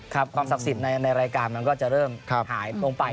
ครับความสักสิบในรายการมันก็จะเริ่มหายลงไป